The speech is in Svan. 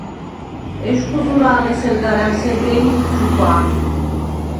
ეშხუ ზურა̄ლ ესერ გარ ა̈მსედლი იფ ჩუქვა̄ნ.